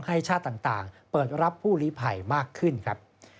ชาติต่างเปิดรับผู้ลิภัยมากขึ้นครับ